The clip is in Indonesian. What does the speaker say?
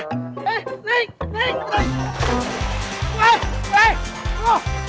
hei naik naik naik